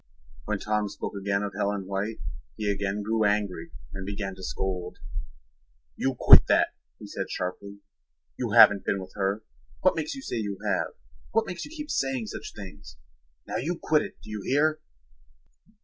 When Tom spoke again of Helen White he again grew angry and began to scold. "You quit that," he said sharply. "You haven't been with her. What makes you say you have? What makes you keep saying such things? Now you quit it, do you hear?"